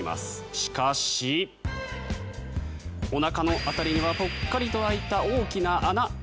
しかし、おなかの辺りにはぽっかりと開いた大きな穴。